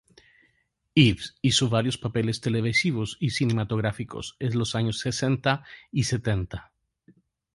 Ives hizo varios papeles televisivos y cinematográficos en los años sesenta y setenta.